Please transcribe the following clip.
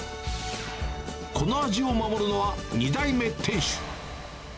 この味を守るのは２代目店主。